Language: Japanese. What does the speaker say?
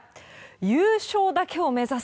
優勝だけを目指す。